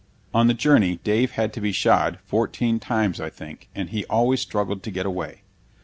On the journey Dave had to be shod fourteen times, I think, and he always struggled to get away.